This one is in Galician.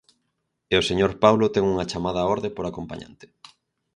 E o señor Paulo ten unha chamada á orde por acompañante.